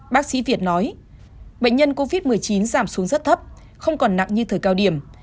bác sĩ việt nói bệnh nhân covid một mươi chín giảm xuống rất thấp không còn nặng như thời cao điểm